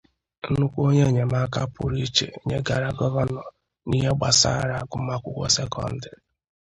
nnukwu onye enyemaka pụrụ ichè nyegárá Gọvanọ n'ihe gbasaara agụmakwụwkwọ sekọndịrị